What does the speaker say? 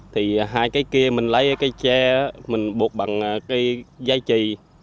thì hai cây kia mình lấy cái tre á mình bụt bằng cái dây trì